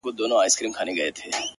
o دغه ساغر هغه ساغر هره ورځ نارې وهي؛